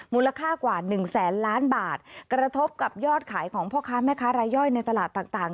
มูลค่ากว่าหนึ่งแสนล้านบาทกระทบกับยอดขายของพ่อค้าแม่ค้ารายย่อยในตลาดต่าง